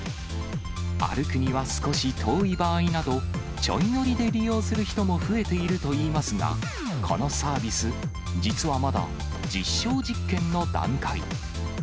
歩くには少し遠い場合など、ちょい乗りで利用する人も増えているといいますが、このサービス、実はまだ、実証実験の段階。